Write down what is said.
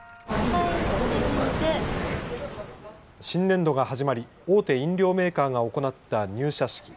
新年度が始まり、大手飲料メーカーが行った入社式。